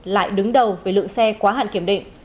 lại đứng đầu về lượng xe quá hạn kiểm định